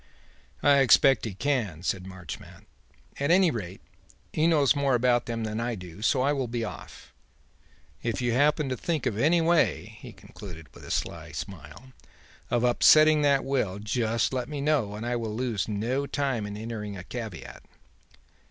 "I expect he can," said Marchmont; "at any rate, he knows more about them than I do; so I will be off. If you should happen to think of any way," he continued, with a sly smile, "of upsetting that will, just let me know, and I will lose no time in entering a caveat.